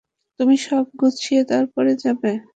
তুমি সব গুছিয়ে তারপর যাবে।